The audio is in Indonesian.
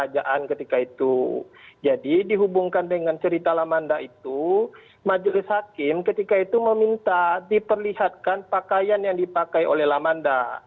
jadi dihubungkan dengan cerita lamanda itu majelis hakim ketika itu meminta diperlihatkan pakaian yang dipakai oleh lamanda